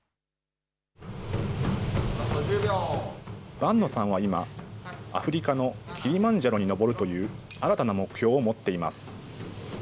伴野さんは今、アフリカのキリマンジャロに登るという新たな目標を持っています。